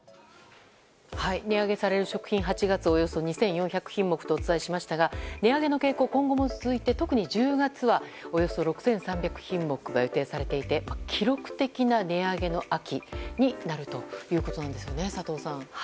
値上げされる食品８月およそ２４００品目とお伝えしましたが値上げの傾向は今後も続いて特に１０月はおよそ６３００品目が予定されていて記録的な値上げの秋になるということなんですよね佐藤さん。